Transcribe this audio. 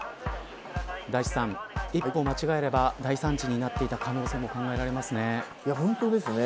大地さん、一歩間違えれば大惨事になっていた可能性も考えられますね。